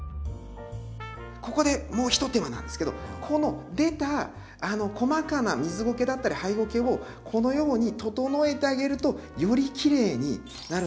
ここでもうひと手間なんですけどこの出た細かな水ゴケだったりハイゴケをこのように整えてあげるとよりきれいになるので。